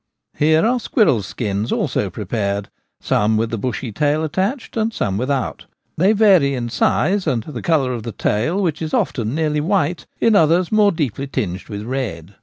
Here are squirrels' skins also prepared ; some with 24 The Gamekeeper at Home. the bushy tail attached, and some without. They vary in size and the colour of the tail, which is often nearly white, in others more deeply tinged with red.